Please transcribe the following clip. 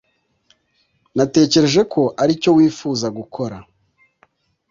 natekereje ko aricyo wifuza gukora